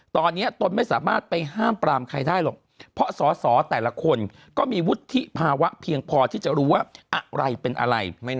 ตอนนี้ตนไม่สามารถไปห้ามปรามใครได้หรอกเพราะสอสอแต่ละคนก็มีวุฒิภาวะเพียงพอที่จะรู้ว่าอะไรเป็นอะไร